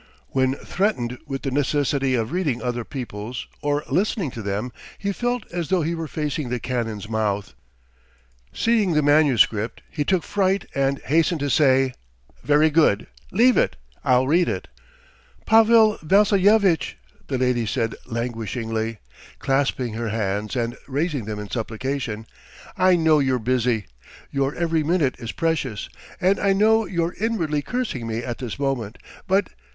When threatened with the necessity of reading other people's, or listening to them, he felt as though he were facing the cannon's mouth. Seeing the manuscript he took fright and hastened to say: "Very good, ... leave it, ... I'll read it." "Pavel Vassilyevitch," the lady said languishingly, clasping her hands and raising them in supplication, "I know you're busy. ... Your every minute is precious, and I know you're inwardly cursing me at this moment, but